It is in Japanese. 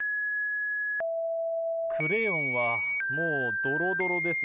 クレヨンはもうドロドロです。